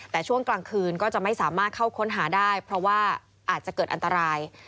แต่ช่วงกลางคืนก็จะไม่สามารถเข้าค้นหาได้เพราะว่าอาจจะเกิดอันตราย